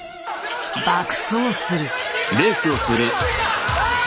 爆走する。